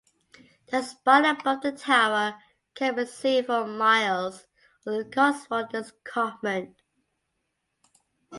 The spire above the tower can be seen for miles on the Cotswold escarpment.